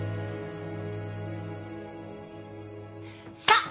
さあ！